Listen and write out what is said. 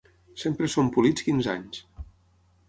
Sempre són polits quinze anys.